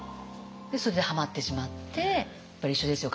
それでハマってしまってやっぱり一緒ですよ。